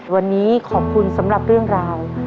วันนี้ขอบคุณสำหรับเรื่องราว